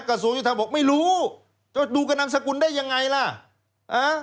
กระสูงอยู่ทางบกไม่รู้ดูกับนามสกุลได้ยังไงล่ะอ่า